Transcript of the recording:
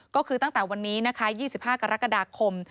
ก็คือตั้งแต่วันนี้นะคะ๒๕กรกฎาคม